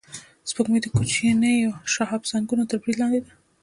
سپوږمۍ د کوچنیو شهابسنگونو تر برید لاندې ده